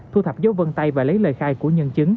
thu thập dấu vân tay và lấy lời khai của nhân chứng